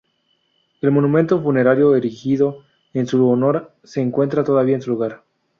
El monumento funerario erigido en su honor se encuentra todavía en su lugar.